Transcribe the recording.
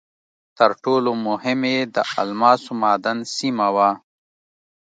تر ټولو مهم یې د الماسو معدن سیمه وه.